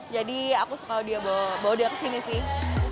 jadi aku suka bawa dia ke sini sih